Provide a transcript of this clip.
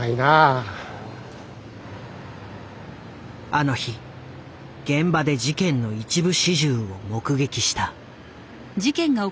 あの日現場で事件の一部始終を目撃した。